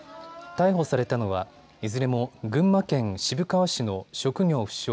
逮捕されたのはいずれも群馬県渋川市の職業不詳